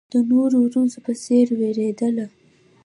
د نورو ورځو په څېر وېرېدله.